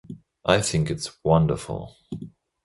I think it's wonderful.